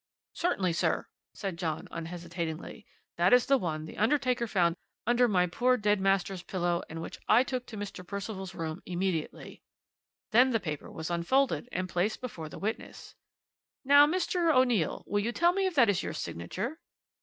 "'Certainly, sir,' said John unhesitatingly, 'that is the one the undertaker found under my poor dead master's pillow, and which I took to Mr. Percival's room immediately.' "Then the paper was unfolded and placed before the witness. "'Now, Mr. O'Neill, will you tell me if that is your signature?'